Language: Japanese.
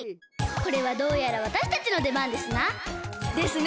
これはどうやらわたしたちのでばんですな！ですね！